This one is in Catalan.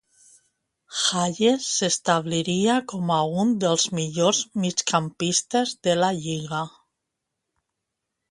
Hayes s'establiria com a un dels millors migcampistes de la lliga.